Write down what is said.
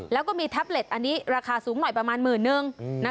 แล้วก็มีแท็บเล็ตอันนี้ราคาสูงหน่อยประมาณหมื่นนึง